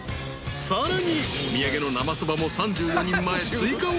［さらにお土産の生そばも３４人前追加オーダー］